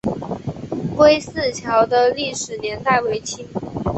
归驷桥的历史年代为清。